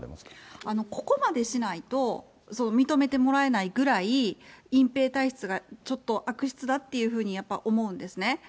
ここまでしないと、認めてもらえないぐらい、隠蔽体質がちょっと悪質だっていうふうに、思うんですね。